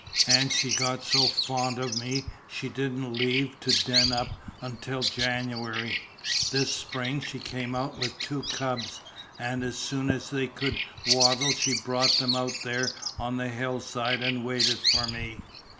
And she got so fond of me she didn't leave to den up until January. This spring she came out with two cubs, an' as soon as they could waddle she brought 'em out there on the hillside an' waited for me.